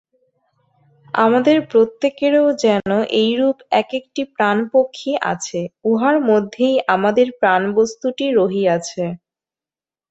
আমাদের প্রত্যেকেরও যেন এইরূপ এক-একটি প্রাণ-পক্ষী আছে, উহার মধ্যেই আমাদের প্রাণবস্তুটি রহিয়াছে।